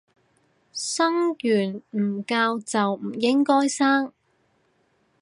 生完唔教就唔應該生